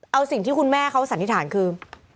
เอาสิ่งที่คุณแม่เขาสันนิษฐานคือ